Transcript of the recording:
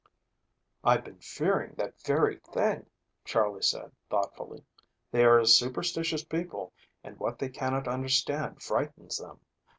"I've been fearing that very thing," Charley said thoughtfully. "They are a superstitious people and what they cannot understand frightens them.